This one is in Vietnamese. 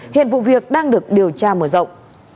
hiện vụ việc đang được điều tra mở rộng